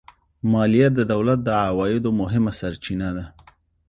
مالیه د دولت د عوایدو مهمه سرچینه ده